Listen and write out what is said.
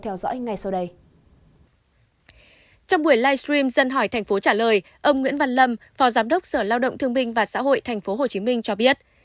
trong buổi livestream dân hỏi tp trả lời ông nguyễn văn lâm phó giám đốc sở lao động thương binh và xã hội tp hcm cho biết